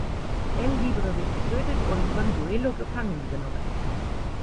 El Libre wird getötet und Consuelo gefangen genommen.